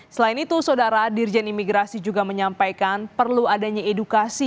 selain itu saudara dirjen imigrasi juga menyampaikan perlu adanya edukasi